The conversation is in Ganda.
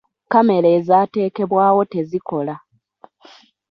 Kamera ezaatekebwawo tezikola.